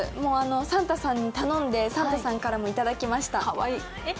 サンタさんに頼んで、サンタさんからもいただきました。